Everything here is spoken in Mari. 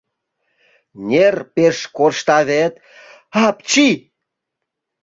Нер пеш коршта вет... апчи!..